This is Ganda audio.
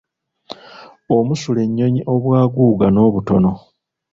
Omusula ennyonyi obw’aguuga n’obutono.